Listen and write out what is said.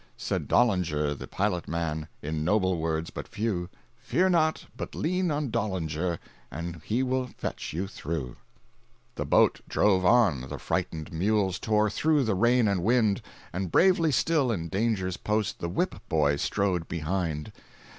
Said Dollinger the pilot man, In noble words, but few,—"Fear not, but lean on Dollinger, And he will fetch you through." 370.jpg (53K) The boat drove on, the frightened mules Tore through the rain and wind, And bravely still, in danger's post, The whip boy strode behind.